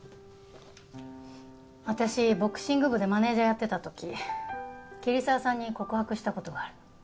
私ボクシング部でマネージャーやってた時桐沢さんに告白した事があるの。